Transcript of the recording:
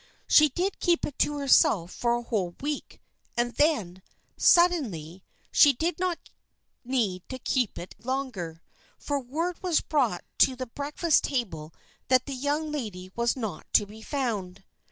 She did keep it to herself for a whole week; and then, suddenly, she did not need to keep it longer. For word was brought to the breakfast table that the young lady was not to be found.